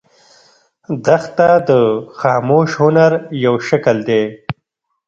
دښته د خاموش هنر یو شکل دی.